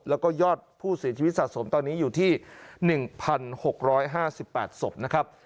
แล้วก็ยอดผู้เสียชีวิตสะสมตอนนี้อยู่ที่หนึ่งพันหกร้อยห้าสิบแปดศพนะครับ